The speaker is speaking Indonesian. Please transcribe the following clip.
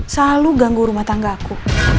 selalu ganggu rumah tangga aku